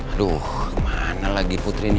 aduh mana lagi putri nih